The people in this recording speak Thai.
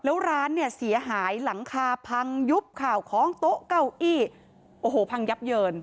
แล้วร้านเนี่ยเสียหายหลังคาพังยุบข่าวของโต๊ะเก้าอี้โอ้โหพังยับเยิน